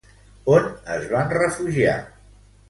On es van refugiar?